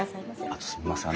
あとすみません